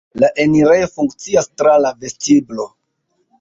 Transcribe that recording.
La enirejo funkcias tra la vestiblo.